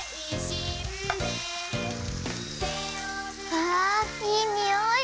わあいいにおい。